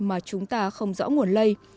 mà chúng ta không rõ nguồn lây